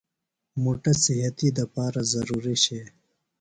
مُٹہ صحتی دپارہ ضروری شئے۔